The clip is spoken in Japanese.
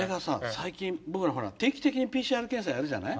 最近僕らほら定期的にＰＣＲ検査やるじゃない？